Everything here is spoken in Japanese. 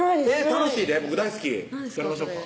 楽しいで僕大好きやりましょうか？